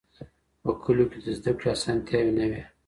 په کلیو کي د زده کړې اسانتیاوي نه وي.